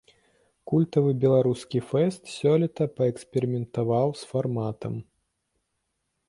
Культавы беларускі фэст сёлета паэксперыментаваў з фарматам.